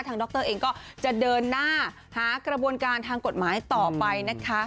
ดรเองก็จะเดินหน้าหากระบวนการทางกฎหมายต่อไปนะคะ